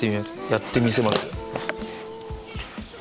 やってみせますよ。